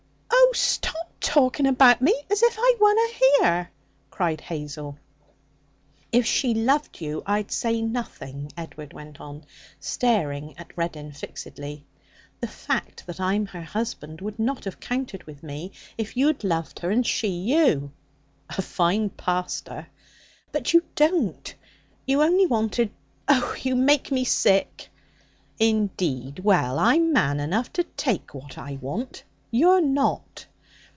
'Oh! stop talking about me as if I wunna here!' cried Hazel. 'If she loved you, I'd say nothing,' Edward went on, staring at Reddin fixedly. 'The fact that I'm her husband would not have counted with me, if you'd loved her and she you.' 'A fine pastor!' 'But you don't. You only wanted Oh! you make me sick!' 'Indeed! Well, I'm man enough to take what I want; you're not.'